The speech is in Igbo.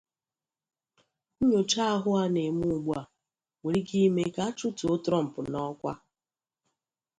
Nnyocha ahụ a na-eme ugbu a nwere ike ime ka a chụtuo Trump n’ọkwa